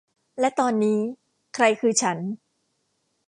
และตอนนี้ ใครคือฉัน